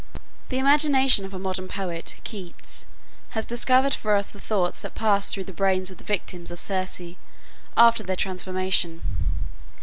The imagination of a modern poet, Keats, has discovered for us the thoughts that passed through the brains of the victims of Circe, after their transformation.